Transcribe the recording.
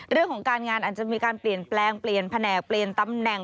เรื่องของการงานอาจจะมีการเปลี่ยนแปลงเปลี่ยนแผนกเปลี่ยนตำแหน่ง